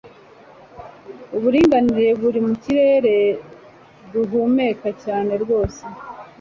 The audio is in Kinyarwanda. Uburinganire buri mu kirere duhumeka cyane rwose